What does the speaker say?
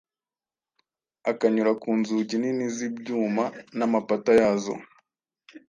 akanyura ku nzugi nini z’ibyuma n’amapata yazo